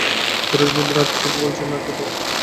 পুরুষ বন্ধুরা আদিত্যকে বলেছে, লাকি ডগ।